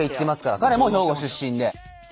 彼も兵庫出身で。